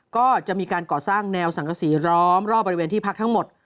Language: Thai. ก็จะมีการก่อสร้างแนวสังกษีล้อมรอบบริเวณที่พักทั้งหมด